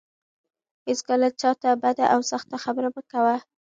هيڅکله چا ته بده او سخته خبره مه کوه.